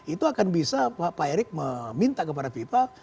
itu akan bisa pak erik meminta kepada fifa